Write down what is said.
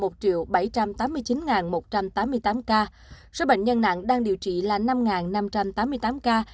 được điều trị khỏi là một bảy trăm tám mươi chín một trăm tám mươi tám ca số bệnh nhân nạn đang điều trị là năm năm trăm tám mươi tám ca